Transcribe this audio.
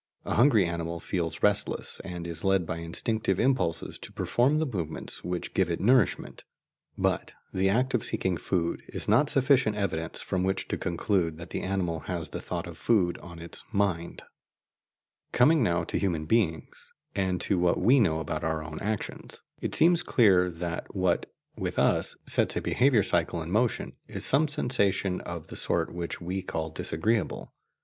A hungry animal feels restless, and is led by instinctive impulses to perform the movements which give it nourishment; but the act of seeking food is not sufficient evidence from which to conclude that the animal has the thought of food in its "mind." * For evidence as to birds' nests, cf. Semon, "Die Mneme," pp. 209, 210. Coming now to human beings, and to what we know about our own actions, it seems clear that what, with us, sets a behaviour cycle in motion is some sensation of the sort which we call disagreeable.